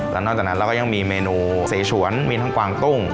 แล้วนอกจากนั้นเราก็ยังมีเมนูสีฉวนมีทั้งกวางตุ้ง